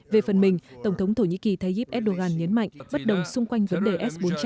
về phần mình tổng thống thổ nhĩ kỳ thay giúp erdogan nhấn mạnh bất đồng xung quanh vấn đề s bốn trăm linh